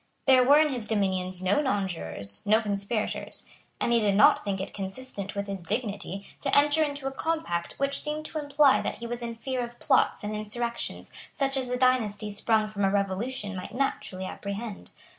There were in his dominions no nonjurors, no conspirators; and he did not think it consistent with his dignity to enter into a compact which seemed to imply that he was in fear of plots and insurrections such as a dynasty sprung from a revolution might naturally apprehend.